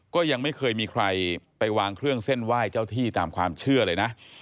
ก็ยังไม่เคยมีใครไปวางเครื่องเส้นไหว้เจ้าที่ตามความเชื่อเลยนะ